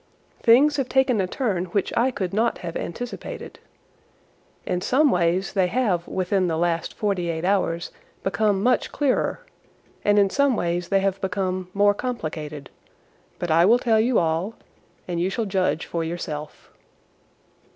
Things have taken a turn which I could not have anticipated. In some ways they have within the last forty eight hours become much clearer and in some ways they have become more complicated. But I will tell you all and you shall judge for yourself.